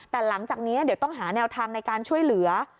แต่หลังจากนี้เดี๋ยวต้องหาแนวทางในการช่วยเหลือ